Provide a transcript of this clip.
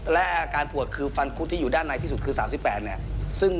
และอาการปวดคือฟันคุดที่อยู่ด้านในที่สุดคือ๓๘เนี่ย